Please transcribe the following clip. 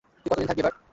তুই কতদিন থাকবি এবার?